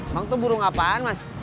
bang tuh burung apaan mas